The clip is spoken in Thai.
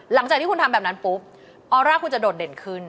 หลังจากที่คุณทำแบบนั้นปุ๊บ